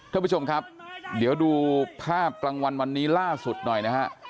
ท่านผู้ชมครับเดี๋ยวดูภาพกลางวันวันนี้ล่าสุดหน่อยนะฮะ